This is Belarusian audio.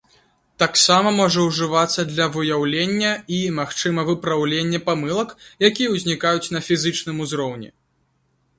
Таксама можа ўжывацца для выяўлення і, магчыма, выпраўлення памылак, якія узнікаюць на фізічным узроўні.